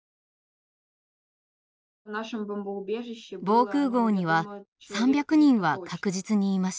防空壕には３００人は確実にいました。